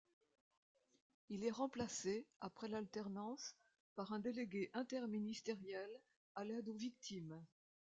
Il est remplacé après l'alternance par un délégué interministériel à l'aide aux victimes.